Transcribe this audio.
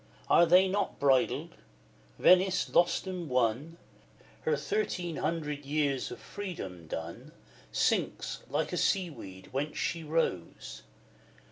Are they not BRIDLED? Venice, lost and won, Her thirteen hundred years of freedom done, Sinks, like a seaweed, into whence she rose!